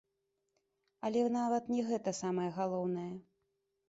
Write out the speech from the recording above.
Але нават не гэта самае галоўнае.